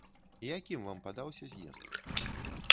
Якім вам падаўся з'езд?